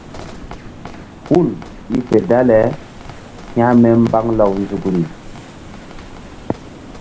Hul i fe dale hȩkme mbaŋ law nzukri.